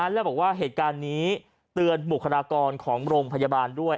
แล้วบอกว่าเหตุการณ์นี้เตือนบุคลากรของโรงพยาบาลด้วย